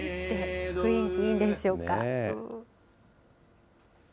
雰囲気いいんでしょうか。